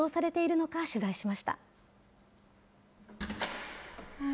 一体どのように利用されているのか、取材しました。